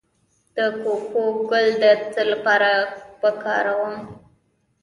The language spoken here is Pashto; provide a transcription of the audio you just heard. د کوکو ګل د څه لپاره وکاروم؟